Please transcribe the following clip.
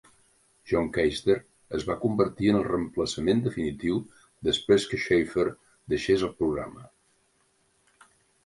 John Keister es va convertir en el reemplaçament definitiu després que Shafer deixés el programa.